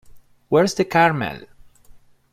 Where's the Caramel?